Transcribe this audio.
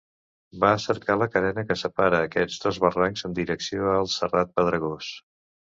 Va a cercar la carena que separa aquests dos barrancs, en direcció al Serrat Pedregós.